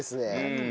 うん。